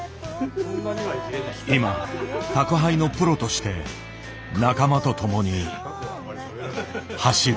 今宅配のプロとして仲間と共に走る。